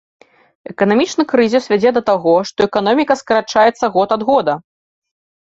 Эканамічны крызіс вядзе да таго, што эканоміка скарачаецца год ад года.